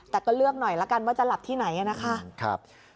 แต่ก็เลือกหน่อยละกันว่าจะหลับที่ไหนนะคะ